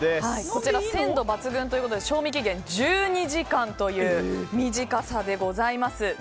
こちら、鮮度抜群ということで賞味期限１２時間という短さでございます